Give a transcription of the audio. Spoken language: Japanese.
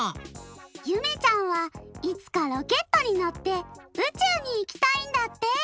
ゆめちゃんはいつかロケットにのってうちゅうにいきたいんだって！